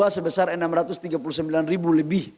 sebesar rp enam ratus tiga puluh sembilan lebih